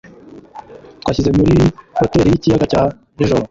Twashyize muri hoteri yikiyaga cya nijoro.